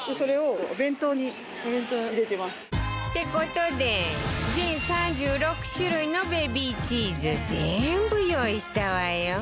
って事で全３６種類のベビーチーズ全部用意したわよ